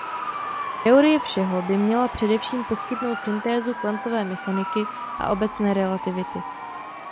Teorie všeho by měla především poskytnout syntézu kvantové mechaniky a obecné relativity.